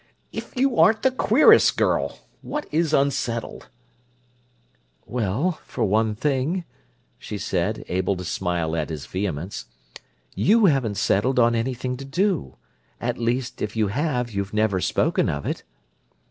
"If you aren't the queerest girl! What is 'unsettled'?" "Well, for one thing," she said, able to smile at his vehemence, "you haven't settled on anything to do. At least, if you have you've never spoken of it."